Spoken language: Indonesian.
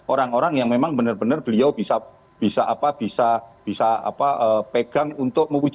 orang orang yang memang benar benar beliau bisa pegang untuk mewujudkan